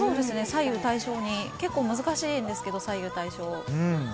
左右対称に結構難しいんですけど。